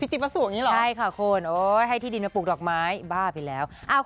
จิบกระทรวงอย่างนี้เหรอใช่ค่ะคุณโอ๊ยให้ที่ดินมาปลูกดอกไม้บ้าไปแล้ว